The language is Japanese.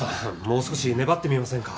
もう少し粘ってみませんか？